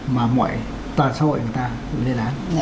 mà toàn xã hội người ta cũng lên án